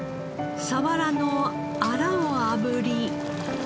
サワラのアラを炙り。